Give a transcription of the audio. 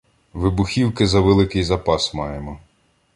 — Вибухівки завеликий запас маємо.